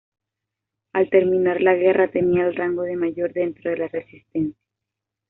Al terminar la guerra tenía el rango de mayor dentro de la Resistencia.